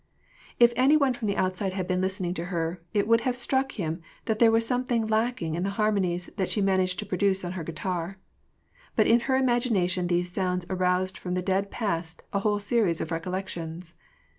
If any one from outside had been listening to her, it would have struck him that there was something lacking in the har monies that she managed to produce on her guitar. But in her imagination these sounds aroused from the dead past a whole series of recollections.